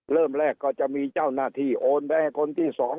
เริ่มแรกก็จะมีเจ้าหน้าที่โอนไปให้คนที่๒